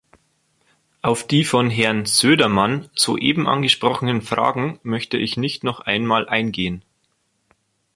Auf die von Herrn Söderman soeben angesprochenen Fragen möchte ich nicht noch einmal eingehen.